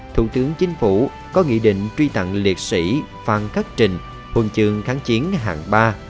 thủ tướng chính phủ có nghị định truy tặng liệt sĩ phan khắc trình huân chương kháng chiến hạng ba